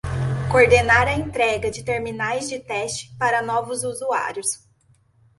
Coordenar a entrega de terminais de teste para novos usuários.